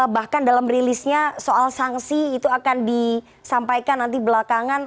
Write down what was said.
bahkan dalam rilisnya soal sanksi itu akan disampaikan nanti belakangan